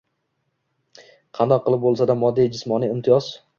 qandoq qilib bo’lsa-da moddiy-jismoniy imtiyoz